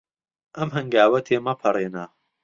ئەم هەنگاوە تێمەپەڕێنە.